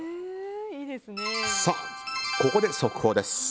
ここで速報です。